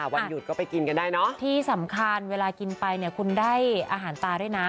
วันหยุดก็ไปกินกันได้เนอะที่สำคัญเวลากินไปเนี่ยคุณได้อาหารตาด้วยนะ